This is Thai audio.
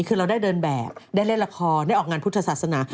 คือเราได้เดินแบบได้เล่นละครได้ออกงานพุทธศาสนา